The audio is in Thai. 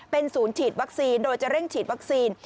เป็นศูนย์ฉีดวัคซีนโดยจะเร่งฉีดวัคซีน